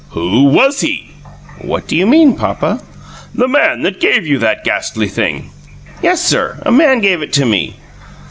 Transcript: "Who WAS he?" "Who do you mean, papa?" "The man that gave you that ghastly Thing!" "Yessir. A man gave it to me."